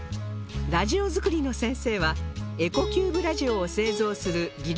ラジオ作りの先生はエコキューブラジオを製造する技術